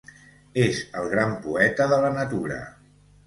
És el gran poeta de la natura.